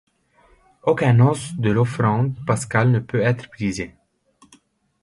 Aucun os de l'offrande pascale ne peut être brisé.